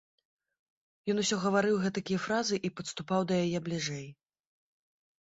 Ён усё гаварыў гэтакія фразы і падступаў да яе бліжэй.